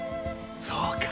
そうか。